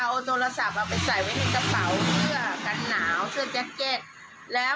อืม